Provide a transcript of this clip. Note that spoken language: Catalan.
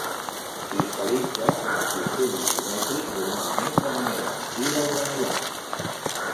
Cristal·litza en el sistema isomètric, normalment de manera massiva o granular.